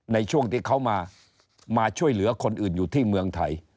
ในช่วงที่เขามาช่วยเหลือคนอื่นอยู่ที่เมืองไทย